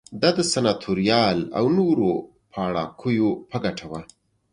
دا د سناتوریال او نورو پاړوکیو په ګټه وه